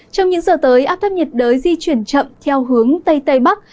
trong những giờ tới áp thấp nhiệt đới di chuyển chậm theo hướng tây tây bắc